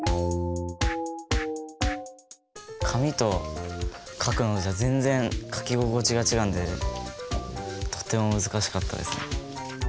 紙と書くのじゃ全然書き心地が違うんでとても難しかったです。